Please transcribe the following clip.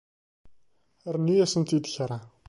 Rnu-asent-id kra